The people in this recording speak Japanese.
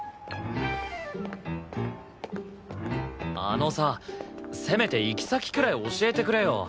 あのさせめて行き先くらい教えてくれよ。